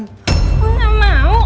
gue gak mau